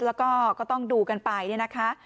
แล้วก็ต้องดูกันไป